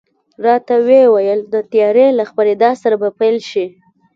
راته وې ویل، د تیارې له خپرېدا سره به پیل شي.